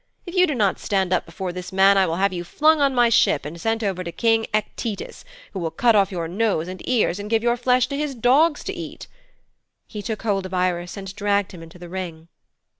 If you do not stand up before this man I will have you flung on my ship and sent over to King Echetus, who will cut off your nose and ears and give your flesh to his dogs to eat,' He took hold of Irus and dragged him into the ring.